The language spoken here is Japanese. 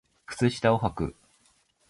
靴下をはく